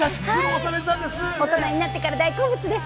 大人になってから大好物です。